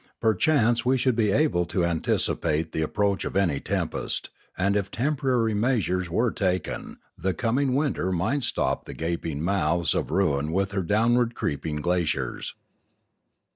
Per chance we should be able to anticipate the approach of any tempest; and if temporary measures were taken, the coming winter might stop the gaping mouths of ruin with her downward creeping glaciers.